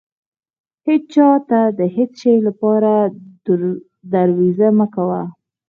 هيچا ته د هيڅ شې لپاره درويزه مه کوه.